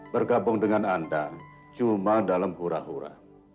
bergabung dengan anda cuma dalam hura hura